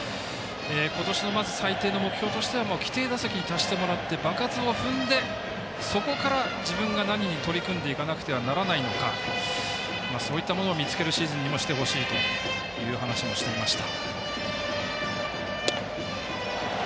今年の最低の目標としては規定打席に達してもらって場数を踏んでそこから自分が何に取り組んでいかなければならないのかをそういったものを見つけるシーズンにもしてほしいと話をしていました。